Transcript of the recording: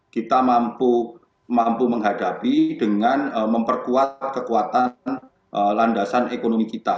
kita mampu menghadapi dengan memperkuat kekuatan landasan ekonomi kita